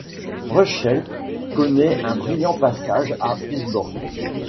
Reuschel connaît un brillant passage à Pittsburgh.